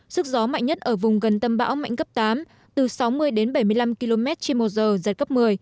sức gió mạnh nhất ở vùng gần tâm bão mạnh cấp tám từ sáu mươi đến bảy mươi năm km trên một giờ giật cấp một mươi